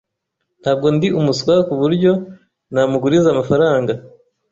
Ntabwo ndi umuswa kuburyo namuguriza amafaranga.